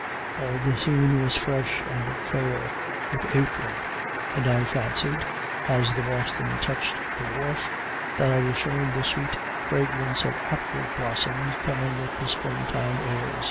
All the scene was fresh and fair with April, and I fancied, as the "Boston" touched the wharf, that I discerned the sweet fragrance of apple blossoms coming with the spring time airs.